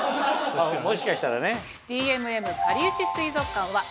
もしかしたらね。